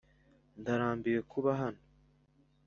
ndarambiwe kuba hano